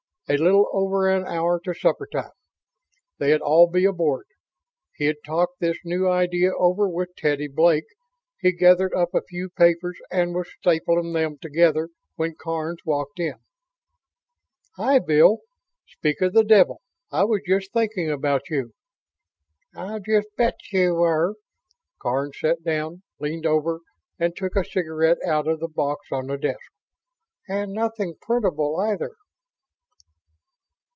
A little over an hour to supper time. They'd all be aboard. He'd talk this new idea over with Teddy Blake. He gathered up a few papers and was stapling them together when Karns walked in. "Hi, Bill speak of the devil! I was just thinking about you." "I'll just bet you were." Karns sat down, leaned over, and took a cigarette out of the box on the desk. "And nothing printable, either."